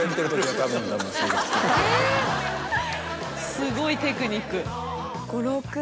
すごいテクニック。